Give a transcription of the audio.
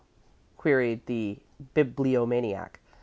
queried the Bibliomaniac.